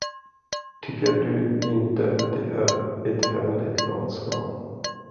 Tycker du inte det är ett härligt landskap?